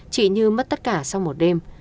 chị như mất tất cả sau một đêm